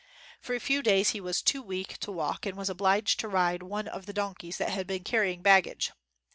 For a few days he was too weak to walk and was obliged to ride one of the don keys that had been carrying baggage.